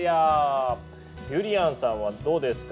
ゆりやんさんはどうですか？